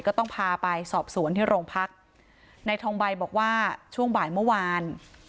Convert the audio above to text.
ก็ต้องพาไปสอบสวนที่โรงพักในทองใบบอกว่าช่วงบ่ายเมื่อวาน